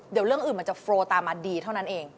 เดี๋ยวเรื่องอื่นมันจะโฟลตามมาดีเท่านั้นเอง